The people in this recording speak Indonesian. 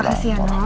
terima kasih ya no